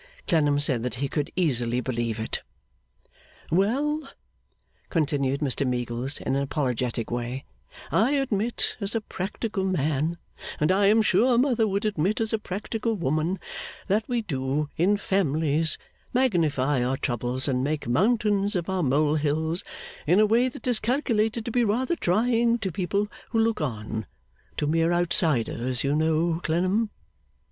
Clennam said that he could easily believe it. 'Well!' continued Mr Meagles in an apologetic way, 'I admit as a practical man, and I am sure Mother would admit as a practical woman, that we do, in families, magnify our troubles and make mountains of our molehills in a way that is calculated to be rather trying to people who look on to mere outsiders, you know, Clennam.